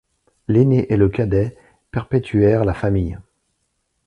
L’aîné et le cadet perpétuèrent la famille.